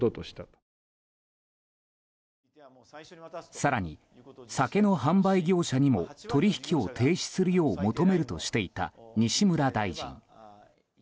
更に、酒の販売業者にも取引を停止するよう求めるとしていた西村大臣。